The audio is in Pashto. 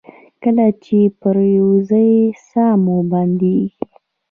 کله چې پریوځئ ساه مو بندیږي؟